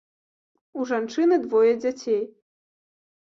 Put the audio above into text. У жанчыны двое дзяцей.